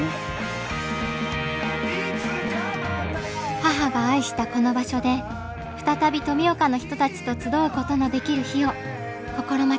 母が愛したこの場所で再び富岡の人たちと集うことのできる日を心待ちにしています。